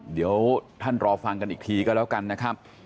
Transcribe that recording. เดี๋ยวท่านรอฟังกันอีกทีก็แล้วกันนะครับ